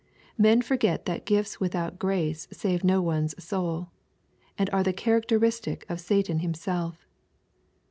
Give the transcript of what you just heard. Men forget that gifts without grace save no one's soul, and are the characteristic of Satan himself.